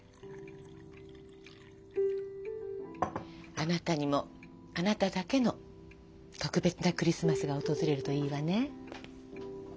あなたにもあなただけの特別なクリスマスが訪れるといいわね。